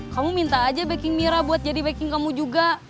kamu minta aja baking mira buat jadi backing kamu juga